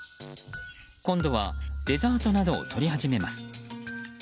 今度はデザートなどを取り始めます。